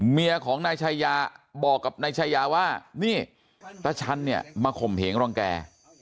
เมียของนายชายาบอกกับนายชายาว่านี่ตะชันเนี่ยมาข่มเหงรังแก